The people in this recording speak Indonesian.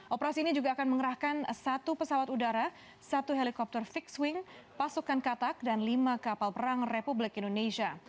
operasi ini juga akan mengerahkan satu pesawat udara satu helikopter fixed wing pasukan katak dan lima kapal perang republik indonesia